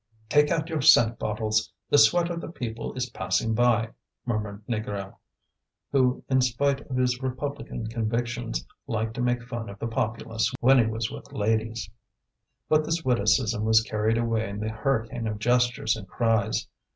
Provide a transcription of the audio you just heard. "Take out your scent bottles, the sweat of the people is passing by!" murmured Négrel, who, in spite of his republican convictions, liked to make fun of the populace when he was with ladies. But this witticism was carried away in the hurricane of gestures and cries.